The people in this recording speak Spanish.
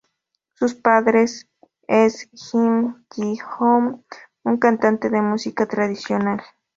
Su padre es Im Ji Hoon, un cantante de música tradicional.